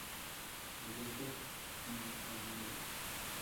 Hayato Nakamura